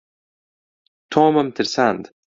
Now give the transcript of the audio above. تۆمم ترساند.